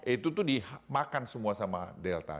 itu tuh dimakan semua sama delta